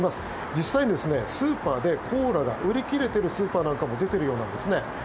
実際に、スーパーでコーラが売り切れてるスーパーなんかも出ているようなんですね。